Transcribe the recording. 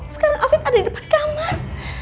sekarang alvin ada di depan kamar